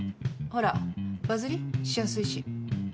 ほら、バズり？しやすいし。